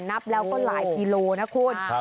นับแล้วก็หลายกิโลนะคุณ